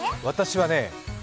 私はね